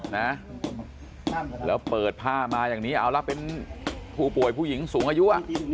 นะแล้วเปิดผ้ามาอย่างนี้เอาละเป็นผู้ป่วยผู้หญิงสูงอายุอ่ะ